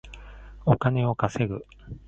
お金を稼ぐ